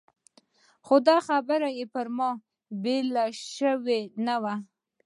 خو دا خبره یې پر ما بېله شوې نه وه.